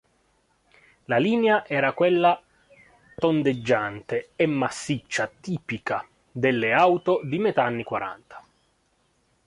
La linea era quella tondeggiante e massiccia tipica delle auto di metà anni quaranta.